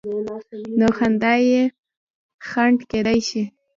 نو خندا یې خنډ کېدای شي.